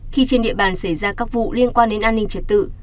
khi trên địa bàn xảy ra các vụ liên quan đến an ninh trật tự